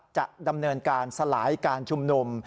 จะดำเนินการสลายการชุมนุม